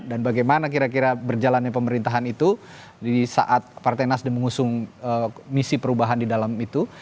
dan bagaimana kira kira berjalannya pemerintahan itu di saat partai nasdem mengusung misi perubahan di dalam itu